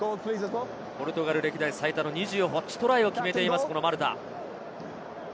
ポルトガル歴代最多の２８トライを決めています、マルタ。